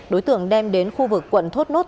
đối tượng đem đến khu vực quận thốt nốt